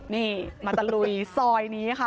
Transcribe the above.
นี่มาตะลุยซอยนี้ค่ะ